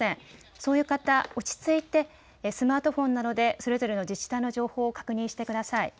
そういう方、落ち着いてスマートフォンなどでそれぞれの自治体の情報を確認してください。